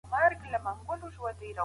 په دغه کوڅې کي خلک په مینه ژوند کوي.